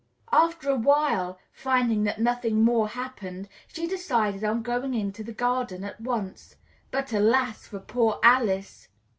After awhile, finding that nothing more happened, she decided on going into the garden at once; but, alas for poor Alice!